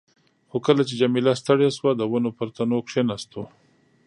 خو کله چې جميله ستړې شوه، د ونو پر تنو کښېناستو.